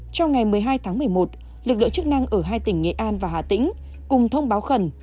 trong ngày một mươi hai tháng một mươi một lực lượng chức năng ở hai tỉnh nghệ an và hà tĩnh cùng thông báo khẩn